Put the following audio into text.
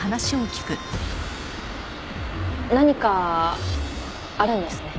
何かあるんですね？